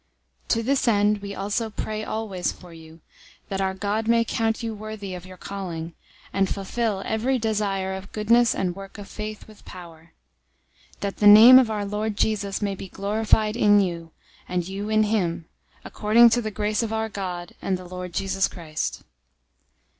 001:011 To this end we also pray always for you, that our God may count you worthy of your calling, and fulfill every desire of goodness and work of faith, with power; 001:012 that the name of our Lord Jesus{TR adds "Christ"} may be glorified in you, and you in him, according to the grace of our God and the Lord Jesus Christ.